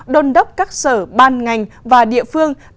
đôn đốc các sở ban ngành và địa phương